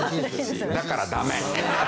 だからダメ。